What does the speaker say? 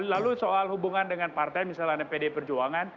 lalu soal hubungan dengan partai misalnya pd perjuangan